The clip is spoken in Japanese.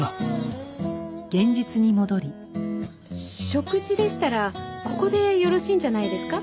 食事でしたらここでよろしいんじゃないですか？